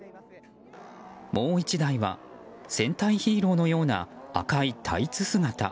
もう１台は戦隊ヒーローのような赤いタイツ姿。